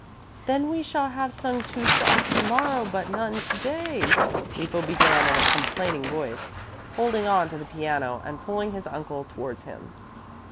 "Then we shall have sung two songs to morrow, but none to day," Lippo began in a complaining voice, holding on to the piano and pulling his uncle towards him.